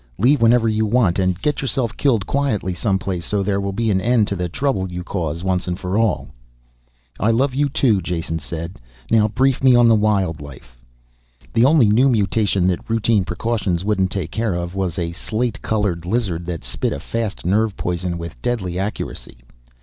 Leave whenever you want. And get yourself killed quietly some place so there will be an end to the trouble you cause once and for all." "I love you, too," Jason said. "Now brief me on the wildlife." The only new mutation that routine precautions wouldn't take care of was a slate colored lizard that spit a fast nerve poison with deadly accuracy.